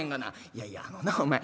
「いやいやあのなお前。